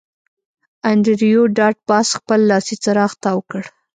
انډریو ډاټ باس خپل لاسي څراغ تاو کړ